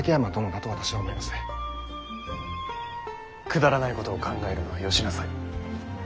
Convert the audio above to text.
くだらないことを考えるのはよしなさい。